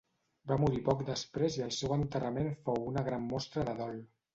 Va morir poc després i el seu enterrament fou una gran mostra de dol.